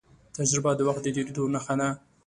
تجربه د وخت د تېرېدو نښه ده.